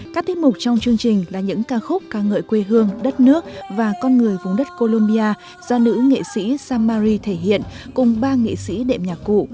các tiết mục trong chương trình là những ca khúc ca ngợi quê hương đất nước và con người vùng đất colombia do nữ nghệ sĩ samari thể hiện cùng ba nghệ sĩ đệm nhạc cụ